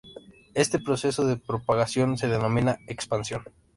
Este proceso de propagación se denomina "expansión".